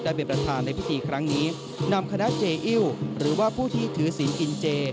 เป็นประธานในพิธีครั้งนี้นำคณะเจอิ้วหรือว่าผู้ที่ถือศีลกินเจ